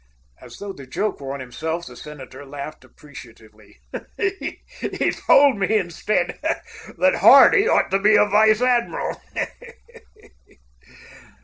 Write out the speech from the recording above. As though the joke were on himself, the senator laughed appreciatively. "Told me, instead, that Hardy ought to be a vice admiral."